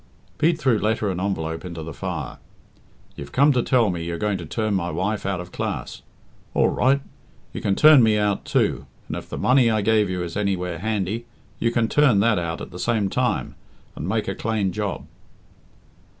Pete threw letter and envelope into the fire. "You've come to tell me you're going to turn my wife out of class. All right! You can turn me out, too, and if the money I gave you is anywhere handy, you can turn that out at the same time and make a clane job."